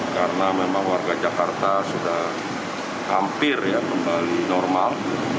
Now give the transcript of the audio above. karena memang warga jakarta sudah hampir kembali normal